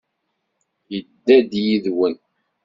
Yedda-d yid-wen?